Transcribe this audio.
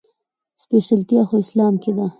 سپېڅلتيا خو اسلام کې ده.